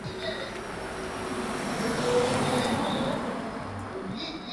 Garagiola was an advocate against the use of chewing tobacco.